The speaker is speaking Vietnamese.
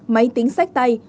máy tính sách tay